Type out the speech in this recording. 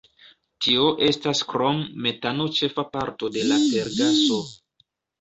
Tio estas krom metano ĉefa parto de la tergaso.